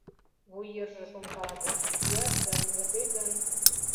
Вуй йырже шонкала дыр: «Йӱаш гын, уке гын?